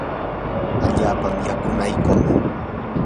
allaapam yakunaykuu.